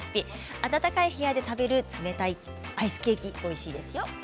暖かい部屋で食べる冷たいケーキアイスケーキおいしいですよ。